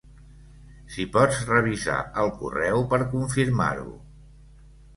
Si pots revisar el correu per confirmar-ho.